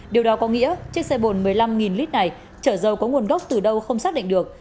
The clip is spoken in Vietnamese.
điều đó có nghĩa chiếc xe bồn một mươi năm lít này chở dầu có nguồn gốc từ đâu không xác định được